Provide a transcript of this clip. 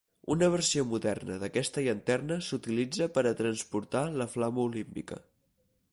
Una versió moderna d'aquesta llanterna s'utilitza per a transportar la flama olímpica.